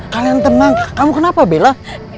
kalian tenang kamu kenapa bela